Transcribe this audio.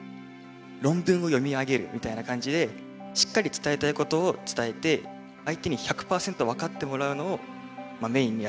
論文を読み上げるみたいな感じでしっかり伝えたいことを伝えて相手に１００％分かってもらうのをメインにやる。